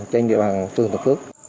trên địa bàn thuận thuận phước